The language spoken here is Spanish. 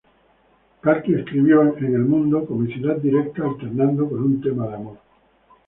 Calki escribió en "El Mundo": "Comicidad directa alternando con un tema de amor.